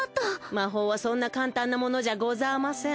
魔法はそんな簡単なものじゃござません。